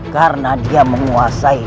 karena dia menguasai